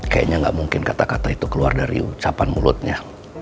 kayaknya nggak mungkin kata kata itu keluar dari ucapan mulutnya